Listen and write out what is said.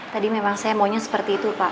tadi memang saya maunya seperti itu pak